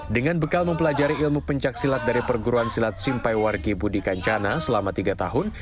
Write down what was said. dengan bekal mempelajari ilmu pencaksilat dari perguruan silat simpai wargi budi kancana selama tiga tahun